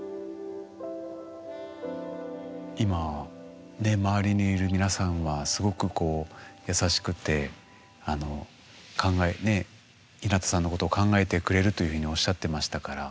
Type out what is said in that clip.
今ね周りにいる皆さんはすごく優しくてひなたさんのことを考えてくれるというふうにおっしゃってましたから。